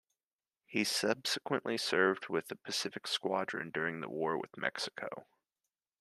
He subsequently served with the Pacific Squadron during the war with Mexico.